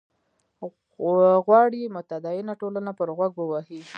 غواړي متدینه ټولنه پر غوږ ووهي.